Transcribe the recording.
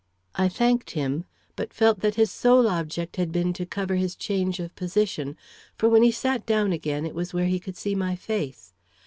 I thanked him, but felt that his sole object had been to cover his change of position. For, when he sat down again, it was where he could see my face.